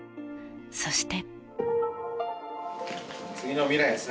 そして。